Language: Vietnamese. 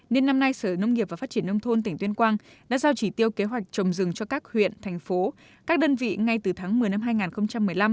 nên năm nay sở nông nghiệp và phát triển nông thôn tỉnh tuyên quang đã giao chỉ tiêu kế hoạch trồng rừng cho các huyện thành phố các đơn vị ngay từ tháng một mươi năm hai nghìn một mươi năm